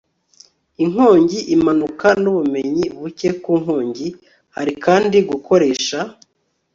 inkongi, impanuka n'ubumenyi buke ku nkongi. hari kandi gukoresha